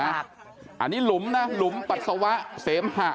อันนี้หลุมนะหลุมปัสสาวะเสมหะ